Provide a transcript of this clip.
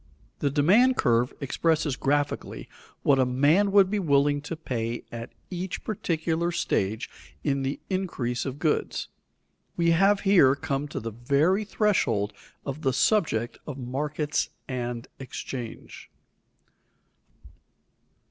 The demand curve expresses graphically what a man would be willing to pay at each particular stage in the increase of goods. We have here come to the very threshold of the subject of markets and exchange.